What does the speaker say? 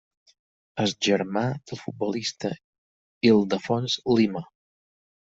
És germà del futbolista Ildefons Lima.